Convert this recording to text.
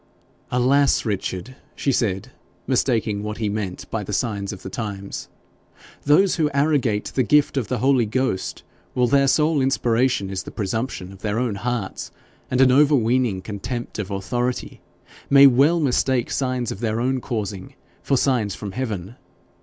'Alas, Richard!' she said, mistaking what he meant by the signs of the times, 'those who arrogate the gift of the Holy Ghost, while their sole inspiration is the presumption of their own hearts and an overweening contempt of authority, may well mistake signs of their own causing for signs from heaven.